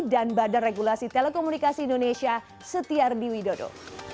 dan badan regulasi telekomunikasi indonesia setiardi widodo